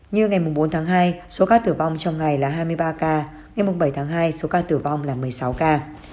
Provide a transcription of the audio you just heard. như ngày bốn tháng hai số ca tử vong trong ngày là hai mươi ba ca ngày bảy tháng hai số ca tử vong là một mươi sáu ca